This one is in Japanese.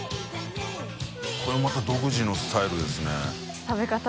海また独自のスタイルですね。